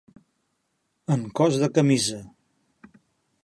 En cos de camisa.